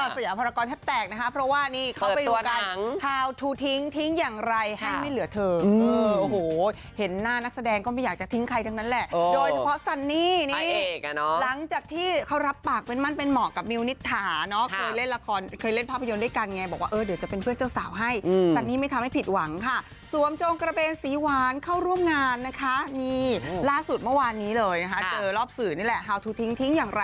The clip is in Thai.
สวัสดีค่ะสวัสดีค่ะสวัสดีค่ะสวัสดีค่ะสวัสดีค่ะสวัสดีค่ะสวัสดีค่ะสวัสดีค่ะสวัสดีค่ะสวัสดีค่ะสวัสดีค่ะสวัสดีค่ะสวัสดีค่ะสวัสดีค่ะสวัสดีค่ะสวัสดีค่ะสวัสดีค่ะสวัสดีค่ะสวัสดีค่ะสวัสดีค่ะสวัสดีค่ะสวัสดีค่ะสวั